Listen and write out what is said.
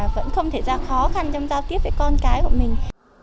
vẫn không thể ra khó khăn trong giao tiếp với con cái của mình